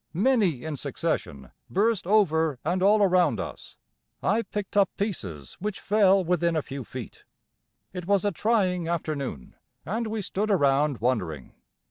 Many in succession burst over and all around us. I picked up pieces which fell within a few feet. It was a trying afternoon, and we stood around wondering.